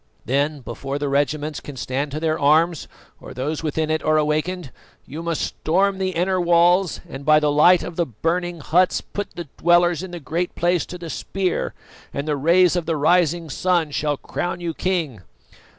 Then, before the regiments can stand to their arms or those within it are awakened, you must storm the inner walls and by the light of the burning huts, put the dwellers in the Great Place to the spear, and the rays of the rising sun shall crown you king.